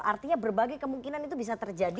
artinya berbagai kemungkinan itu bisa terjadi